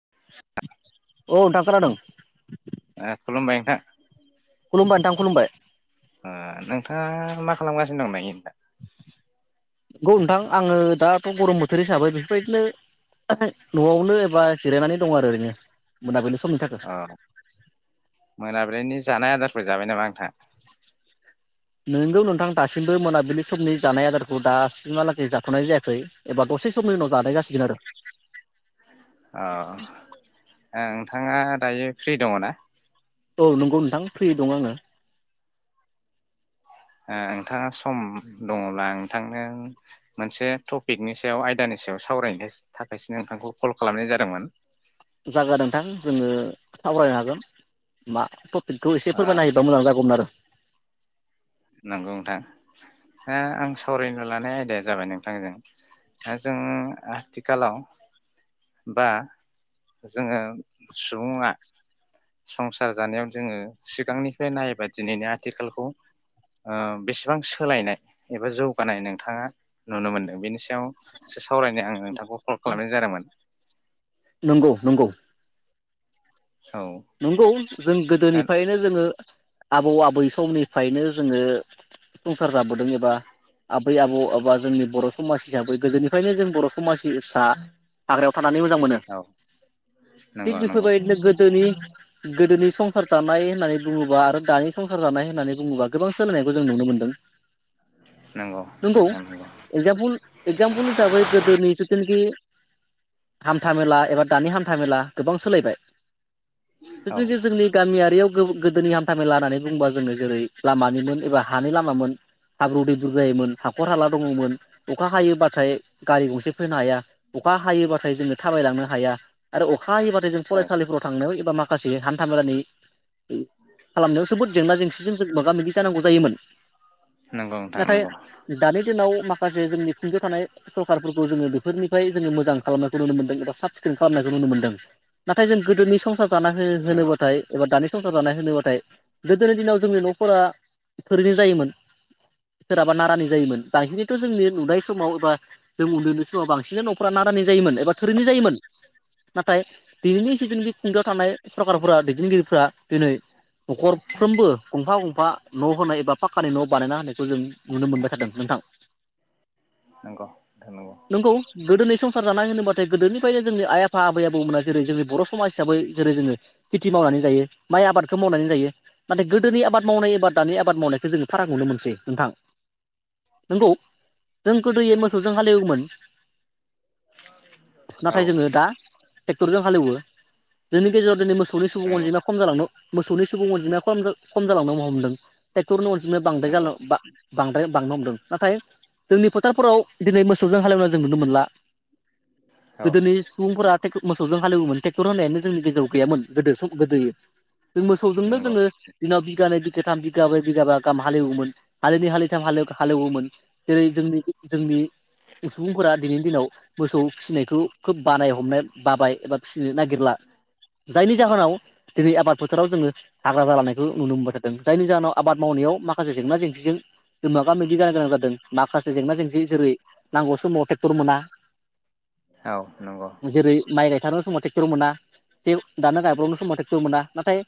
[inaudible] औ नोंथां खोनादों ए खुलुमबाय नोंथां खुलुमबाय नोंथां खुलुमबाय ओ नोंथाङा मा खालामगासिनो दं दायो नंगौ नोंथां आङो दाथ' गरम बोथोर हिसाबै बेफोरबायदिनो न'आवनो एबा जिरायनानै दं आरो ओरैनो मोनाबिलि समनि थाखाय अ मोनाबिलिनि जानाय आदारफोर जाबाय नामा नोंथाङा नोंगौ नोंथां दासिमबो मोनाबिलि समनि जानाय आदारखौ दासिमहालागै जाथ'नाय जायाखै एबा दसे समनि उनाव जानायगासिगोन आरो अ नोंथाङा दायो फ्रि दङ ना औ नंगौ नोंथां फ्रि दं आङो ओ नोंथाङा सम दङब्ला नोंथांनो मोनसे टपिकनि सायाव आयदानि सायाव सावरायनो थाखायसो नोंथांखौ कल खालामनाय जादोंमोन जागोन नोंथां जोङो सावरायनो हागोन मा बेखौ एसे ओ फोरमायना होायोबा मोजां जागौमोन आरो नंगौ नोंथां आं सावरायनो लानाय आयदाया जाबाय नोंथांजों दा जों आथिखालाव बा जोङो सुबुङा संसार जानायाव जोङो सिगांनिफ्राय नायोबा दिनैनि आथिखालखौ ओ बेसेबां सोलायनाय एबा जौगानाय नोंथाङा नुनो मोनदों बेनि सायावसो सावरायनो आं नोंथांखौ कल खालामनाय जादोंमोन नंगौ नंगौ औ नंगौ जों दा गोदोनिफ्रायनो जोङो आबौ आबै समनिफायनो जोङो संसार जाबोदों एबा आबै आबौ एबा जोंनि बर' समाज हिसाबै गोदोनिफायनो जों बर' समाजनि सा हाग्रायाव थानानै मोजां मोनो औ थिग नंगौ नंगौ बेफोरबायदिनो गोदोनि गोदोनि संसार जानाय होननानै बुङोबा आरो दानि संसार जानाय होननानै बुङोबा गोबां सोलायनायखौ जों नुनो मोनदों नंगौ एक्जामपोल एक्जामपोल हिसाबै गोदोनि जिथुनोखि हान्था मेला एबा दानि हान्थाामेला गोबां सोलायबाय औ [unintelligible] गामि आरियाव गोदोनि हान्था मेला होननानै बुङोबा जोङो जेरै लामानिमोन एबा हानि लामामोन हाब्रु दैब्रुर जायोमोन हाखर हाला दङमोन अखा हायोबाथाय गारि गंसे फैनो हाया अखा हायोबाथाय जोङो थाबायलांनो हाया आरो अखा हायोबाथाय जों औ फरायसालिफोराव थांनायाव बा माखासे हान्था मेलानि खालामनायाव जोबोद जेंना जेंसिजों मोगा मोगि जानांगौ जायोमोन नंगौ नोंथां नाथाय नंगौ दानि दिनाव मा खासे जोंनि खुंथायाव थानाय सरखारफोरखौ जोङो बेफोरनिफ्राय जोङो मोजां खालामनायखौ नुनो मोनदों एबा साब सिखोन खालामनायखौ नुनो मोनदों नाथाय जों गोदोनि संसा हो नंगौ होनोबथाय एबा दानि संसार जानाय होनोबाथाय गोदोनि दिनाव जोंनि न'फोरा थोरिनि जायोमोन सोरहाबा नारानि जायोमोन बांसिननिथ' जोंनि नुनाय समाव एबा जों उन्दैनि समाव बांसिनै न'फोरा नारानि जायोमोन बा थोरिनि जायोमोन नाथाय दिनैनिस जोंनि बे खुंगाव थानाय सरकारफोरा दैदेनगिरिफोरा दिनै न'खरफ्रोमबो गंफा गंफा न' होनाय एबा पाखक्कानि न' बानायना होनायखौ जों नुनो मोनबाय थादों नोंथां नंगौ थांनांगौ नंगौ गोदोनि संसार जानाय होनोबाथाय गोदोनिफ्रायनो जोंनि आइ आफा आबै आबौमोना जेरै जोंनि बर' समाज हिसाबै जेरै जोङो खेथि मावनानै जायो माइ आबादखो मावनानै जायो नाथाय गोदोनि आबाद मावनाय एबा दानि आबाद मावनायखो जोङो फाराग नुनो मोनसै नोंथां नंगौ जों गोदोयो मोसौजों हालेवोमोन औ नाथाय जोङो दा टेक्टर जों हालेवो बेनि गेजेराव दिनै मो सौनि सुबुं नंगौ अनजिमाया खम जालांनो मोसौनि सुबुं अनजिमाया खम जा खम जालांनो हमदों टेक्टरनि अन जिमाया बांद्राय जानो नंगौ बा बांद्राय बांनो हमदों नाथाय जोंनि फोथारफोराव दिनै मोसौजों हालेवना जों नुनो मोनला औ गोदोनि सुबुंफोरा नंगौ टेक्ट मोसौजों हाल एवोमोन टेक्टर होन्नायानो जोंनि गेजेराव गैयामोन गोदो सम गोदोयो जों मोसौजोंनो जोङो दिनाव बिघानै बि गाथाम बिगाब्रै बिगाबा गाहाम हालेवोमोन हालिनै हालिथाम हालव हालेवोमोन जेरै जोंनि जोंनि सुबुंफोरा दिनैनि दिनाव मोसौ फिसिनायखौ खोब बानाय हमनाय बाबाय एबा फिसिनो नागिरला जायनि जाहोनाव दिनै आबाद फोथाराव जोङो हाग्रा जालांनायखौ नुनो मोनबाय थादों जायनि जाहोनाव आबाद मावनायाव माखासे जेंना जेंसिजों जों मोगा मोगि जानो गोनां जादों माखासे जेंना जेंसि जेरै नांगौ समाव टेक्टर मोना औ नंगौ गायनो समाव थेक्टर मोना जे दानो गायब्रबनो समाव टेक्टर मोना नाथाय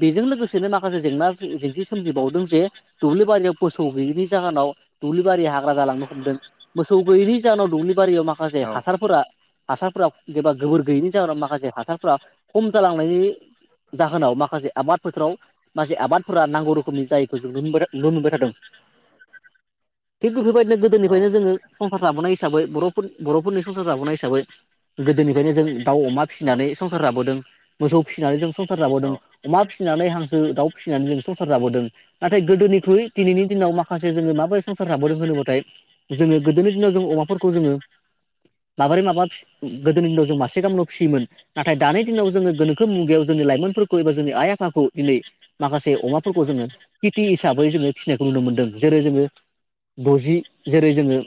बेजों लोगोसेनो माखासे जेंना जेंसि सोमजिबावदों जे दुब्लि बारियाव मोसौ गैयैनि जाहोनाव दुब्लि बारिया हाग्रा जालांनो हमदों मोसौ गैयैनि जाहोनाव दुब्लि बारियाव माखासे औ हासारफोरा हासारफोराव गोबा गोबोर गैयिनि जाहोनाव माखासे हासारफ्रा खम जालांनायनि जाहोनाव माखासे आबाद फोराव मासे आबाद फ्रा नांगौ रोखोमनि जायखौ बेफोरो [unintelligible] नुनो मोनबाय। थादों थिग बेफोरबायदिनो औ गोदोनिफ्रायनो जोङो संसार जाबोनाय हिस साबै बर'फोर बर'फोरनि संसार जाबोनाय हिसाबै गोदोनिफ्रायनो जों दाउ अमा फिसिनानै संसार जाबोद मोसौ फिसिनानै जों संसार औ जाबोदों अमा फिसिनानै हा सो दाउ फिसिनानै जों संसार जाबोदों नाथाय गोदोनिख्रुइ दिनैनि दिनाव माखासे जोङो मा [unintelligible] संसार जाबोदों होनोबाथाय जोङो गोदोनि दिनाव जों अमाफोरखौ जोङो माबोरै माबा गोदोनि दिनाव जों मासे गाहामल' फिसियोमोन नाथाय दानि दिनाव जोङो गोनोखो मुगायाव जोंनि लाइमोनफोरखौ एबा जोंनि आइ आफाखौ दिनै माखासे जे अमाफोरखौ जोङो किति हिसाबै जोङो फिसिनायखौ नुनो मोनदों जेरै जोङो दजि जेरै जोङो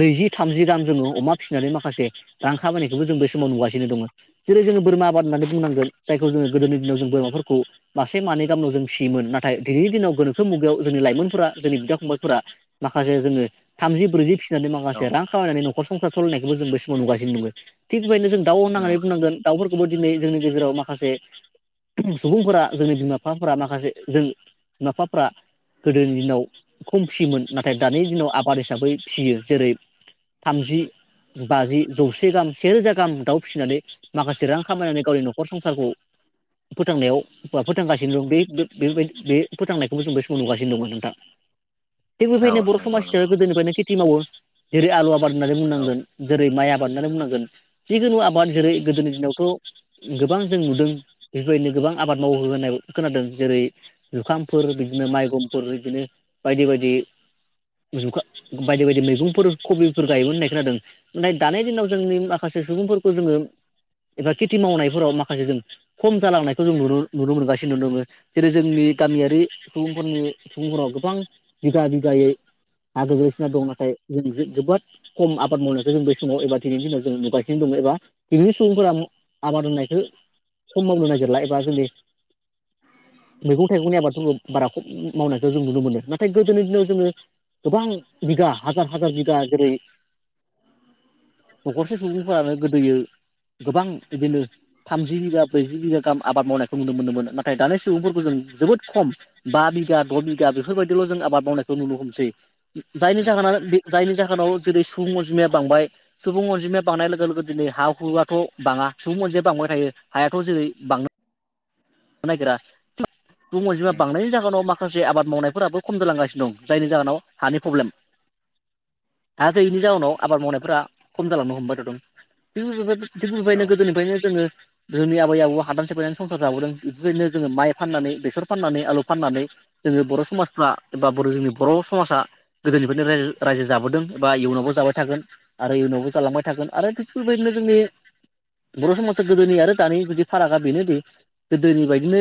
नैजि थामजि रां जोङो अमा फिसिनानै माखासे रां खामानिखौबो जों बे समाव नुासिनो दङ। औ। जेरै जोङो बोरमा आबाद होननानै बुंनांगोन जायखौ जोङो गोदोनि दिनाव जों बोरमाफोरखौ मासे मानै गामनाव जों फियोमोन नाथाय दिनैनि दिनाव गोनोखो मुगायाव जोंनि लाइमोनफोरा जोंनि बिदा फंबायफोरा माखासे जोङो थामजि ब्रैजि औ माखासे रां खामायनानै न खर संसार सलायनायखौ जों समाव नुगासि दङ थिग बेबायदिनो जों दाउ होननानै नंगौ बुंनांगोन। दाउफोरखौबो दिनै जोंनि गेजेराव माखासे सुबुंफोरा जोंनि बिमा बिफाफोरा माखासे जों बिमा बिफाफ्रा गोदोनि दिनाव खम फियोमोन नाथाय दानि दिनाव आबाद हिसाबै फिसियो जेरै थामजि बाजि जौसे गाहाम सेेरोजा गाहाम दाउ फिसिनानै माखासे रां खामायनानै गावनि नखर संसारखौ फोथांनायाव फोथांगासिनो दं बेबाय बे फोथांनायखौबो जों बे समाव नुगासिनो दंमोन नोंथां। औ थिगबोबायदिनो बर' समाज नंगौ हिसाबै नंगौ गोदोनिफ्रायनो खेथि मावो जेरै आलु होननानै औ बुंनांगोन जेरै माइ आ बानानै बुंनांगोन जिखुनु आबाद जेरै गोदोनि दिनावथ' गोबां जों नुदों बेफोरबायदिनो गोबां आबाद मावो होननाय खोनादों जेरै जुखामफोर बिदिनो माइगंफोर बिदिनो बायदि बायदि जुखा बायदि बायदि मैगंफोर खबिफोर गायोमोन होननाय खोनादों नाथाय दानि दिनाव जोंनि माखासे सुबुंफोरखौ जोङो। एबा खेथि मावनायफोराव माखासे जों खम जालांनायखौ जों न नुनो मोनगासिनो दङ जेरै जोंनि गामियारि सुबुंफोरनि सुबुंफोराव गोबां बिगा बिगायै हा गोग्लैसिना दं नाथाय जों जोबोद खम आबाद मावनायखौ जों बै समाव एबा दिनैनि दिनाव जों नुगासिनो दङ एबा दिनै सुबुंफोरा आबादनायखौ खम मावनो नागिरला एबा जोंनि मैगं थाइगंनि आबादफोरखौ बारा खम मावनायखौ जों नुनो मोनो नाथाय गोदोनि दिनाव जोङो गोबां बिघा हाजार हाजार बिगा जेरै न'खरसे सुबुंफोरानो गोदोयो गोबां बिदिनो थामजि बिगा ब्रैजि बिगा गाहाम आबाद मावनायखौ नुनो मोनोमोन नाथाय दानि सुबुंफोरखौ जों जोबोद खम बा बिगा द' बिगा बेफोरबायदिल' जों आबाद मावनायखौ नुनो हमसै। जायनि उम जाहोनाव जायनि जाहोनाव गोदै सुबुं अनजिमाया बांबाय सुबुं अनजिमाया बांनाय लोगो लोगो दिनै हा हुआथ' बाङा सुबुं अनजाया बांबाय थायो हायाथ' जेरै बांनो नो नागेरा। बुं अनजिमा उम बांनाय जागोन अमा खासे आबाद मावनायफोराबो खम दालांगासिनो दं जायनि जाहोनाव हानि पब्लेम हा गैयिनि जाहोनाव आबाद मावनायफोरा खम जालांनो हमबाय थादों [unintelligible] [unintelligible] औ गोदोनिफ्रायनो जोङो जोंनि आबै आबौआ हादान सेफायनानै संसार जाबोदों। इफोरबायदिनो जोङो माइ फाननानै बेसर फाननानै आलु फाननानै जोङो बर' समाजफ्रा एबा बर' जोंनि बर' समाजा गोदोनिफ्रायनो राइज रायजो जाबोदों एबा इयुनावबो जाबाय थागोन आरो इयुनावबो जालांबाय थागोन आरो थि फोरबायदिनो जोंनि बर' समाजा गोदोनि आरो दानि जुदि फारागा बेनोदि गोदोनि बायदिनो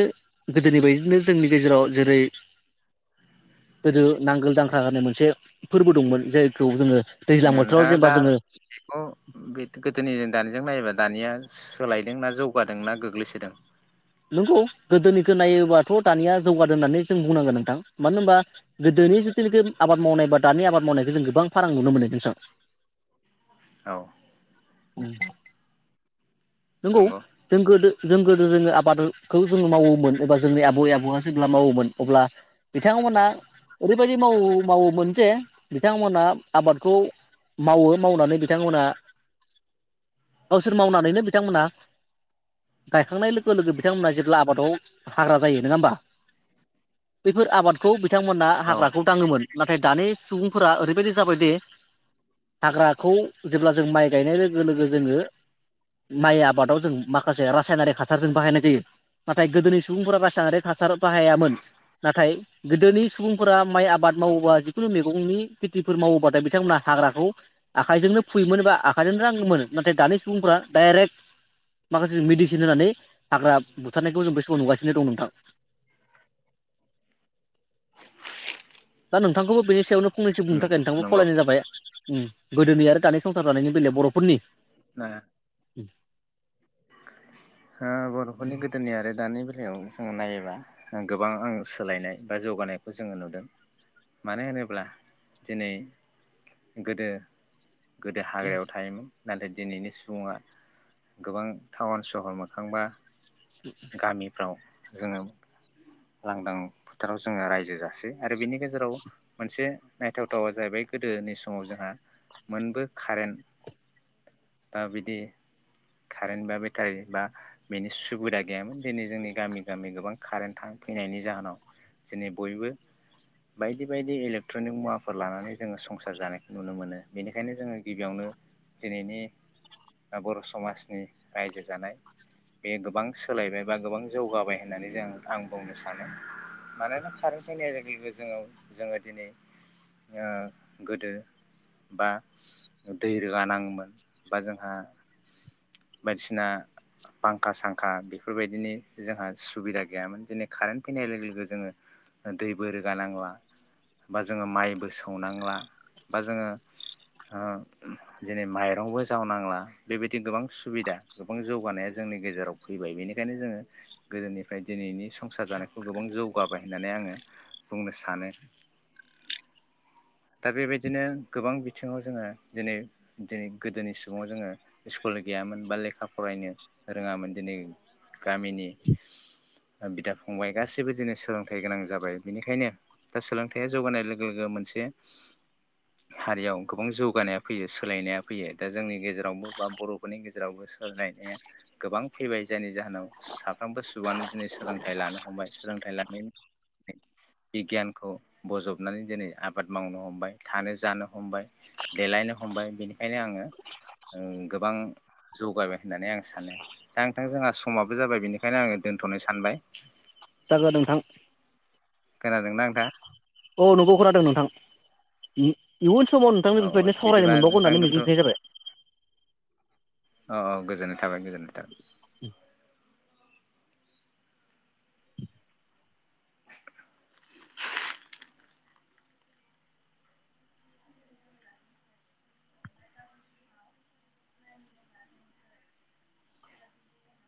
गोदोनि बायदिनो जोंनि गेजेराव जेरै गोदो नांगोल जांख्रा होननाय मोनसे फोरबो दंमोन जेयखौ जोङो दैज्लां बोथोराव नोनथाङा जेनेबा दा जोङो बेखौ बे गोदोनिजों दानिजों नायोबा दानिया सोलायदों ना जौगादों ना गोग्लैसोदों? नंगौ गोदोनिखो नायोबाथ' दानिया जौगादों होननानै जों बुंनांगोन नोंथां मानो होनबा गोदोनि जथुनिखि आबाद मावनाय बा दानि आबाद मावनायखौ जों गोबां फारां नुनो मोनो [unintelligible] औ। उम नोंगौ नंगौ जों गोदो जों गोदो जोङो आबादखौ जोङो मावोमोन एबा जोंनि आबइ आबौआ जेब्ला मावोमोन अब्ला बिथांमोना ओरैबायदि माव मावोमोन जे बिथांमोना आबादखौ मावो मावनानै बिथांमोना गावसोर मावनानैनो बिथांमोना गायखांनाय लोगो लोगो बिथांमोना जेब्ला आबादाव हाग्रा जायो नोङा होमबा बैफोर आबादखौ बिथांमोनहा औ हाग्राखौ दाङोमोन नाथाय दानि सुबुंफोरा ओरैबायदि जाबायदि हाग्राखौ जेब्ला जों माइ गायनाय लोगो लोगो जोङो माइ आबादाव जों माखासे रासायनारिक हासारजों बाहायनाय जायो नाथाय गोदोनि सुबुंफोरा रासायनारिक हासार बाहायामोन नाथाय गोदोनि सुबुंफोरा माइ आबाद मावोबा जिखुनु मेगंनि खेथिफोर मावोबाथाय बिथांमोनहा हाग्राखौ आखाइजोंनो फुयोमोन बा आखाइजोंनो राङोमोन नाथाय दानि सुबुंफोरा डाइरेक्ट माखासे जों मिडिसिन होनानै हाग्रा बुथारनायखौ जों बे समआव नुगासिनो दं नोंथां। दा नोंथांखौबो बेनि सायावनो फंनै सो बुंनो थाखाय नोंथांखौ नंगौ खावलायनाय जाबाय। उम गोदोनि आरो दानि संसार जानायनि बेलायाव बर'फोरनि बर'फोरनि गोदोनि आरो दानि बेलायाव ओं नायोब्ला गोबां आं सोलायनाय बा जौगानायखौ जोङो नुदों मानो होनोब्ला दिनै गोदो गोदो हाग्रायाव थायोमोन नाथाय दिनैनि सुबुङा गोबां टाउन सहर मोखांबा गामिफ्राव जोङो लांदां फोथाराव जोङो रायजो जासै आरो बिनि गेजेराव मोनसे नायथावथावा जाहैबाय गोदोनि समाव जोंहा मोनबो कारेन्ट बा बिदि कारेन्ट बा बेटारि बा बेनि सुबिदा गैयामोन दिनै जोंनि गामि गामि गोबां कारेन्ट थां फैनायनि जाहोनाव दिनै बयबो बायदि बायदि इलेक्ट्रनिक मुवाफोर लानानै जोङो संसार जानायखौ नुनो मोनो बेनिखायनो जोङो गिबियावनो दिनैनि आ बर' समाजनि रायजो जानाय बे गोबां सोलायबाय बा गोबां जौगाबाय होननानै जों आं बुंनो सानो। मानोना खारेन फैनाय लो गो लोगो जोङो जोङो दिनै ओ गोदो बा दै रोगा नाङोमोन बा जोंहा बायदिसिना फांखा सांखा बेफोरबायदिनि जोंहा सुबिदा गैयामोन दिनै कारेन्ट फैनाय लोगो लोगो जोङो ओ दैबो रोगानांला बा जोङो माइबो सौनांला बा जोङो ओ दिनै माइरंबो जावनांला बेबायदि गोबां सुबिदा गोबां जौगानाया जोंनि गेजेराव फैबाय बेनिखायनो जोङो गोदोनिफ्राय दिनैनि सम सार जानायखौ गोबां जौगाबाय होननानै आङो बुंनो सानो दा बेबायदिनो गोबां बिथिङाव जोङो दिनै दिनै गोदोनि सुबुंआ जोङो स्कुल गैयामोन बा लेखा फरायनो रोङामोन दिनै गामिनि ओ बिदा फंबाय गासैबो दिनै सोलोंथाइ गोनां जाबाय बिनिखायनो दा सोलोंथाइया जौगानाय लोगो लोगो मोनसे हारियाव गोबां जौगानाया फैयो सोलायनाया फैयो दा जोंनि गेजेरावबो बा बर'फोरनि गेजेरावबो सोलायनाया गोबां फैबाय जायनि जाहोनाव साफ्रोमबो सुआनो दिनै सोलोंथाइ लानो हमबाय सोलोंथाइ लानायनि [inaudible] बिगियानखौ बजबनानै दिनै आबाद मावनो हमबाय थानो जानो हमबाय देलायनो हमबाय बेनिखायनो आङो ओं गोबां जौगाय होननानै आं सानो दा नोंथां जोंहा समाबो जाबाय बेनिखायनो आङो दोनथ'नो सानबाय। जागोन नोंथां। खोनादोंना ओंथाङा? औ नंगौ खोनादों नोंथां इ इयुन समाव औ नोंथांनो औ बेफोरबायदिनो सावरायनो बिदिबा मोनबावगोन नोंथां होननानै दोनथ' मिजिंथिनाय जाबाय। औ औ गोजोननाय थाबाय गोजोननाय थाबाय उम